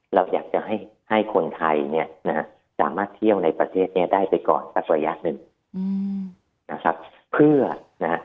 เราอยากจะให้คนไทยสามารถเที่ยวในประเทศนี้ได้ไปก่อนสักประยะหนึ่ง